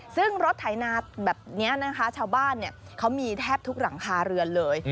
ซึ่งรถไถนาแบบนี้นะคะชาวบ้านเขามีแทบทุกหลังคาเรือนเลย